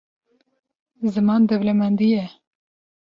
Ziman dewlemendî ye.